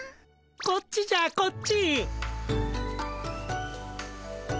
こっちじゃこっち。